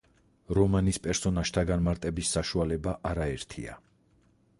რომანის პერსონაჟთა განმარტების საშუალება არაერთია.